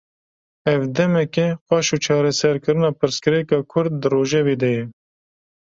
Ev demeke, qaşo çareserkirina pirsgirêka Kurd, di rojevê de ye